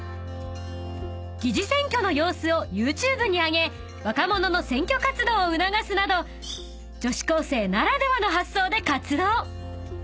［疑似選挙の様子をＹｏｕＴｕｂｅに上げ若者の選挙活動を促すなど女子高生ならではの発想で活動］